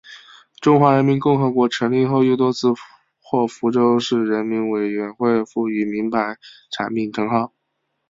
中华人民共和国成立后又多次获福州市人民委员会授予名牌产品称号。